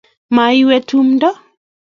maiwe tumdo